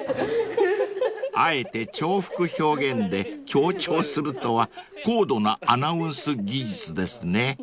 ［あえて重複表現で強調するとは高度なアナウンス技術ですね］